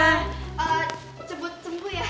eh cebut cembuh ya